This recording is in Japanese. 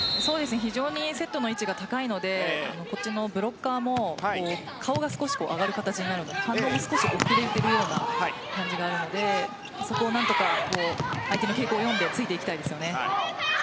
非常にセットの位置が高いのでこっちのブロッカーも顔が上がる形になるので反応も少し遅れている感じがあるのでそこを何とか相手の傾向を読んでついていきたいですね。